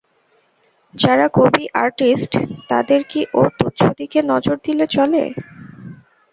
যারা কবি, আর্টিস্ট, তাদের কি ও তুচ্ছদিকে নজর দিলে চলে?